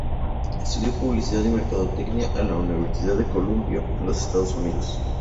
Estudió publicidad y mercadotecnia en la Universidad de Columbia, en los Estados Unidos.